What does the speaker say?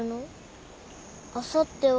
あさっては？